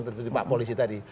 dari pak polisi tadi